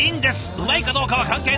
うまいかどうかは関係ない。